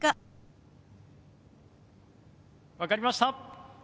分かりました。